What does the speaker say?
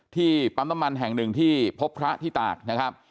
ปั๊มน้ำมันแห่งหนึ่งที่พบพระที่ตากนะครับ